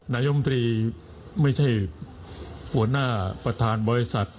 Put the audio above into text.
นายมตรีไม่ใช่หัวหน้าประธานบริษัท